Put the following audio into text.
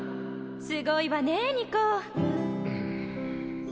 すごいわねニコ！んん。